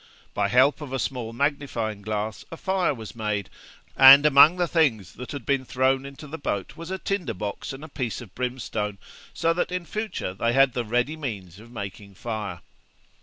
By help of a small magnifying glass a fire was made, and among the things that had been thrown into the boat was a tinder box and a piece of brimstone, so that in future they had the ready means of making a fire.